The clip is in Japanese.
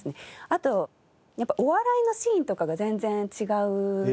あとお笑いのシーンとかが全然違うっていうのは。